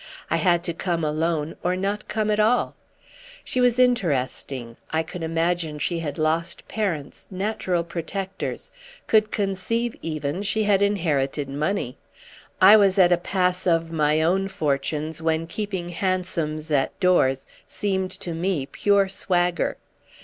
I had to come alone or not come at all." She was interesting; I could imagine she had lost parents, natural protectors—could conceive even she had inherited money. I was at a pass of my own fortunes when keeping hansoms at doors seemed to me pure swagger.